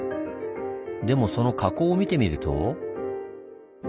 でもその火口を見てみると。